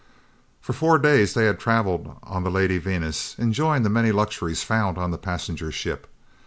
For four days they had traveled on the Lady Venus, enjoying the many luxuries found on the passenger ship.